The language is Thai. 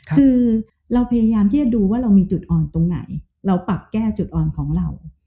คือเราพยายามที่จะดูว่าเรามีจุดอ่อนตรงไหนเราปรับแก้จุดอ่อนของเรา